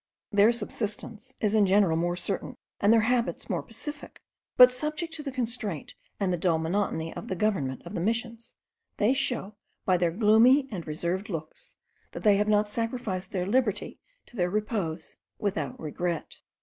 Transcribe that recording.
Their subsistence is in general more certain, and their habits more pacific, but subject to the constraint and the dull monotony of the government of the Missions, they show by their gloomy and reserved looks that they have not sacrificed their liberty to their repose without regret.